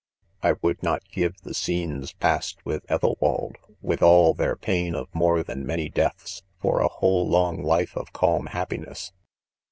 ,.* I would, not give the scenes past withEth elwald, with all. their pain of more than many deaths, for a. whole long life of calm happi ness.